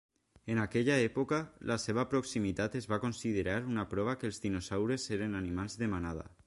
En aquella època, la seva proximitat es va considerar una prova que els dinosaures eren animals de manada.